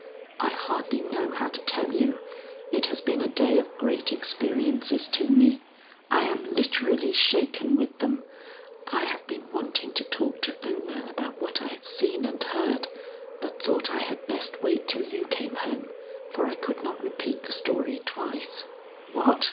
"I hardly know how to tell you. It has been a day of great experiences to me. I am literally shaken with them. I have been wanting to talk to Ona about what I have seen and heard, but thought I had best wait till you came home, for I could not repeat the story twice." "What!